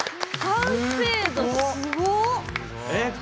完成度すごっ！